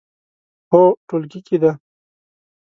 هو، ټولګي کې دی